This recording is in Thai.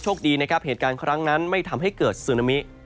ดีนะครับเหตุการณ์ครั้งนั้นไม่ทำให้เกิดซึนามิ